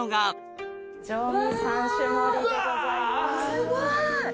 すごい！